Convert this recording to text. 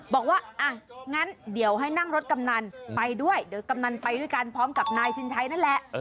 บอกว่าอ่ะงั้นเดี๋ยวให้นั่งรถกำนันไปด้วยเดี๋ยวกำนันไปด้วยกันพร้อมกับนายชินชัยนั่นแหละ